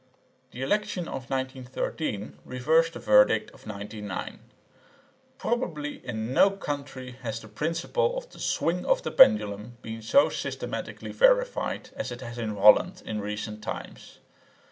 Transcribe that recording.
The election of 1913 reversed the verdict of 1909. Probably in no country has the principle of the "swing of the pendulum" been so systematically verified as it has in Holland in recent times.